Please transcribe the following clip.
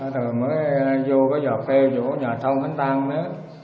rồi mới vô cái giọt tê chỗ nhà thôn khánh tăng đó